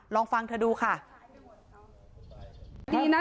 ลองฟังเธอดูค่ะ